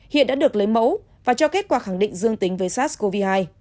hiện đã được lấy mẫu và cho kết quả khẳng định dương tính với sars cov hai